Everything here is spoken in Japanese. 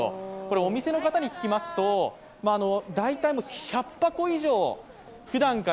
お店の方に聞きますと大体１００箱以上、ふだんから